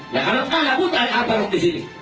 ya kalangkah aku tak ada apa apa disini